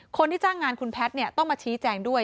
คนที่จ้างงานคุณแพทย์ต้องมาชี้แจงด้วย